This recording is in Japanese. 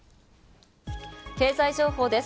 経済情報です。